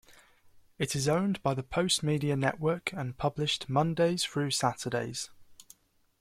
It is owned by the Postmedia Network and published Mondays through Saturdays.